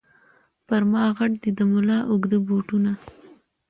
پر ما غټ دي د مُلا اوږده بوټونه